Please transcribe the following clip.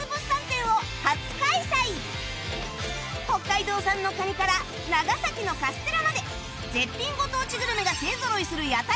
北海道産のカニから長崎のカステラまで絶品ご当地グルメが勢ぞろいする屋台村が誕生！